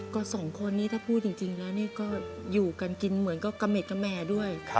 ก็สองคนนี้ถ้าพูดจริงแล้วนี่ก็อยู่กันกินเหมือนก็กะเมดกะแมด้วย